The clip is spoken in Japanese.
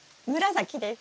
紫です。